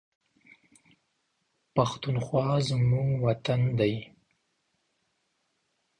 پښتونخوا زموږ وطن دی